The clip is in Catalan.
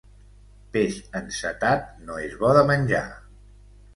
Peix encetat no és bo de menjar.